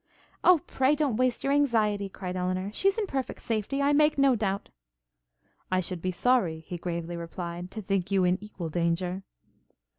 'O, pray don't waste your anxiety!' cried Elinor; 'she is in perfect safety, I make no doubt.' 'I should be sorry,' he gravely replied, 'to think you in equal danger.'